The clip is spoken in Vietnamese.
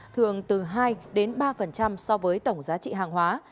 thường từ hai đến ba so với tổng giá trị hàng hóa